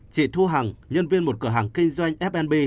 chị thu hằng nhân viên một cửa hàng kinh doanh fnb